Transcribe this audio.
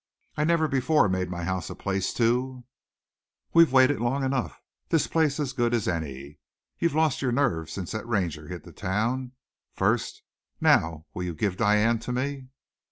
"I never before made my house a place to " "We've waited long enough. This place's as good as any. You've lost your nerve since that Ranger hit the town. First, now, will you give Diane to me?"